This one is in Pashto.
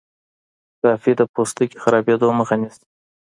کافي د پوستکي خرابیدو مخه نیسي.